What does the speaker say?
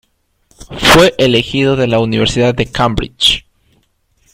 Fue elegido de la Universidad de Cambridge.